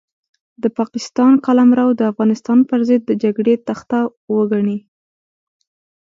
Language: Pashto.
د پاکستان قلمرو د افغانستان پرضد د جګړې تخته وګڼي.